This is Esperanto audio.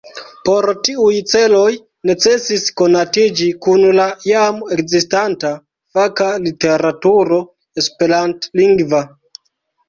Por tiuj celoj necesis konatiĝi kun la jam ekzistanta faka literaturo esperantlingva.